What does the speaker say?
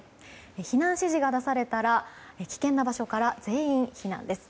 避難指示が出されたら危険な場所から全員避難です。